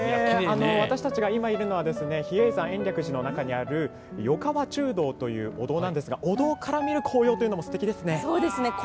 私たちが今いるのは比叡山延暦寺の中にある横川中堂というお堂なんですが、お堂から見る紅葉というのもすてきですね。